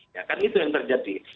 ya kan itu yang terjadi